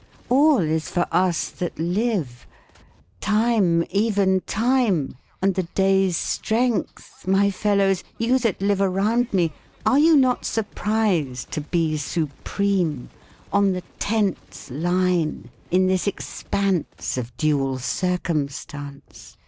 All is for us that live! Time, even time, and the day's strength My fellows, you that live around me, are you not surprised to be supreme, on the tense line, in this expanse of dual circumstance?